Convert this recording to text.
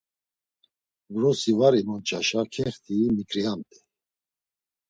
Vrosi var imonç̌aşa kext̆ii miǩriyamt̆ey.